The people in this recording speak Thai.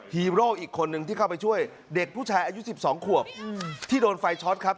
ฮีโร่อีกคนนึงที่เข้าไปช่วยเด็กผู้ชายอายุ๑๒ขวบที่โดนไฟช็อตครับ